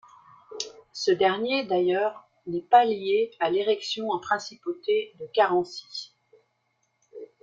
Ce dernier d’ailleurs n’est pas lié à l’érection en principauté de Carency.